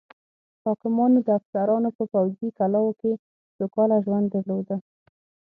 حاکمانو او افسرانو په پوځي کلاوو کې سوکاله ژوند درلوده.